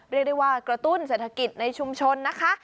เรียกได้ว่ากระตุ้นเศรษฐกิจในชุมชนนะคะ